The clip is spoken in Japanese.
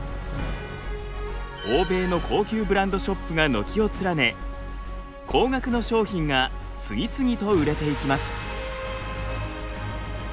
欧米の高級ブランドショップが軒を連ね高額の商品が次々と売れていきます。